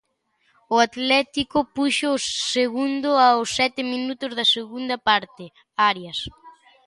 O Atlético puxo o segundo aos sete minutos da segunda parte, Arias.